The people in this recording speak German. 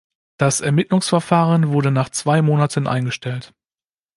Das Ermittlungsverfahren wurde nach zwei Monaten eingestellt.